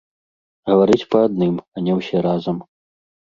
Гаварыць па адным, а не ўсе разам.